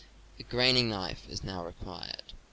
A graining knife is now required.